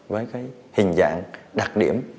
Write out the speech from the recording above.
với cái hình dạng đặc điểm